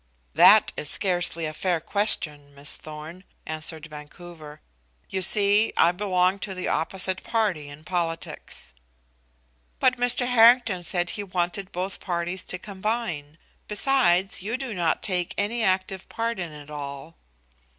"That is scarcely a fair question, Miss Thorn," answered Vancouver. "You see, I belong to the opposite party in politics." "But Mr. Harrington said he wanted both parties to combine. Besides, you do not take any active part in it all."